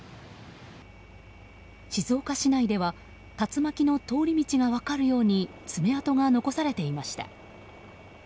静岡市内では竜巻の通り道が分かるように爪痕が残されていました。